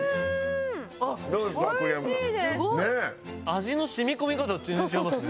味の染み込み方が全然違いますね。